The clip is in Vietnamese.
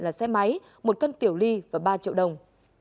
là xe máy một cân tiểu ly và ba triệu đồng